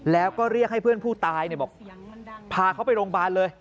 แล้วก็เรียกให้เพื่อนผู้ตายบอกพาเขาไปโรงพยาบาลเลย